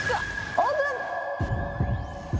オープン！